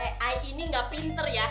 eh ay ini gak pinter ya